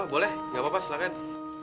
boleh gak apa apa silahkan